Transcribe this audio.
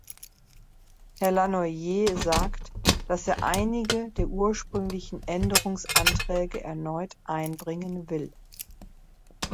Herr Lannoye sagt, dass er einige der ursprünglichen Änderungsanträge erneut einbringen will.